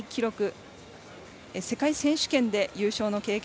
世界選手権で、優勝の経験。